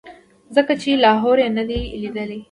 ځکه چې لاهور یې نه دی لیدلی.